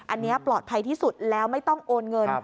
อันนี้ปลอดภัยที่สุดแล้วไม่ต้องโอนเงิน